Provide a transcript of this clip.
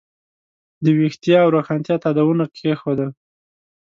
د ویښتیا او روښانتیا تاداوونه کېښودل.